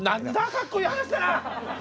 かっこいい話だな。